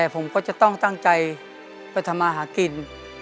ผมก็จะต้องตั้งใจไปทำมาหากิน